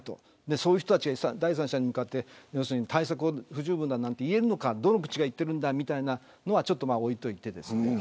そういう人たちが第三者に向かって対策不十分だなんて言えるのかどの口が言ってるんだみたいなのはちょっと置いておいて。